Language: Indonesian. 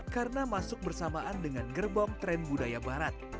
karena masuk bersamaan dengan gerbong tren budaya barat